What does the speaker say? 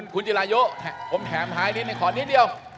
คุณจิรายุผมแถมท้ายนิดขอนิดเดียว